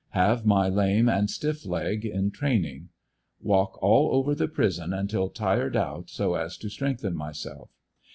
Have my lame and stiff leg in training. Walk all over the prison until tired out so as to strengthen myself.